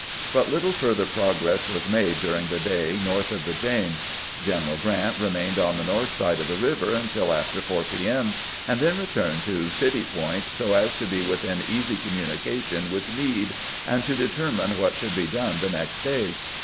But little further progress was made during the day north of the James. General Grrant remained on the north side of the river until after 4 p. m., and then re turned to City Point so as to be within easy communi cation with Meade, and to determine what should be done the next day.